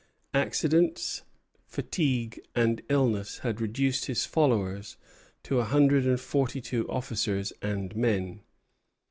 Accidents, fatigue, and illness had reduced his followers to a hundred and forty two officers and men.